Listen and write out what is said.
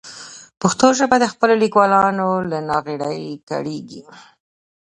پښتو ژبه د خپلو لیکوالانو له ناغېړۍ کړېږي.